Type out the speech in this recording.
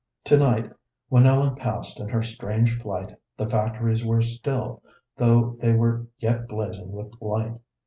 To night, when Ellen passed in her strange flight, the factories were still, though they were yet blazing with light.